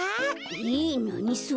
えっなにそれ？